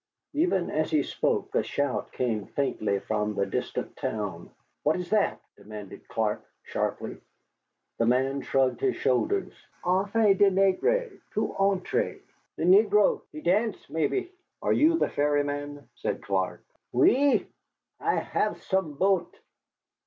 Even as he spoke a shout came faintly from the distant town. "What is that?" demanded Clark, sharply. The man shrugged his shoulders. "Une fête des nègres, peut être, the negro, he dance maybe." "Are you the ferryman?" said Clark. "Oui I have some boat."